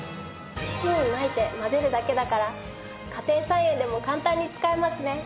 土にまいて混ぜるだけだから家庭菜園でも簡単に使えますね。